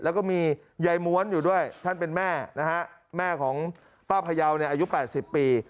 แล้วก็มียายม้วนอยู่ด้วยท่านเป็นแม่นะฮะแม่ของป้าพยาวเนี่ยอายุ๘๐ปี